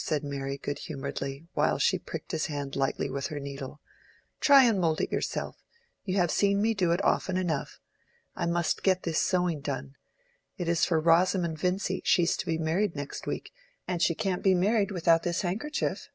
said Mary, good humoredly, while she pricked his hand lightly with her needle. "Try and mould it yourself: you have seen me do it often enough. I must get this sewing done. It is for Rosamond Vincy: she is to be married next week, and she can't be married without this handkerchief."